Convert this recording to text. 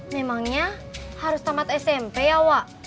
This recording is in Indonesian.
memangnya harus tamat smp ya wak